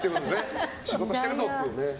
仕事してるぞっていう。